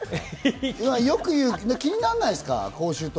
口臭とか気にならないですか？